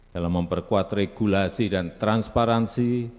dalam memperkuat regulasi dan transparansi